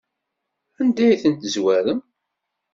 Anda ay tent-tezwarem?